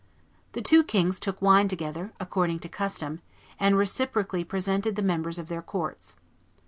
The two kings took wine together, according to custom, and reciprocally presented the members of their courts.